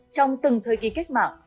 trong từng thời kỳ cách mạng